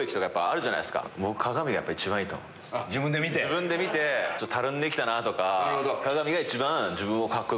自分で見てたるんできたなとか。